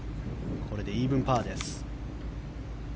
これでイーブンパーです。